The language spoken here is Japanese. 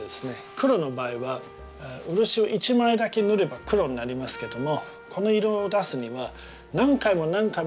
黒の場合は漆を一枚だけ塗れば黒になりますけどもこの色を出すには何回も何回も何回も塗らなきゃいけないということで